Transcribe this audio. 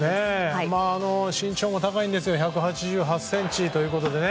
身長も高いです１８８ｃｍということでね。